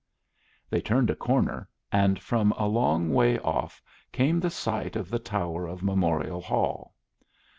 They turned a corner, and from a long way off came the sight of the tower of Memorial Hall.